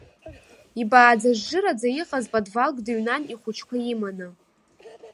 Ибааӡажжыраӡа иҟаз подвалк дыҩнан ихәыҷқәа иманы.